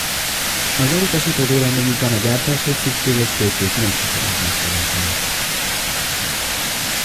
Az elutasító vélemény után a gyártáshoz szükséges tőkét nem sikerült megszereznie.